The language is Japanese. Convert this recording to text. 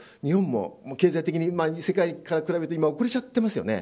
日本も経済的に世界から比べて遅れちゃってますよね。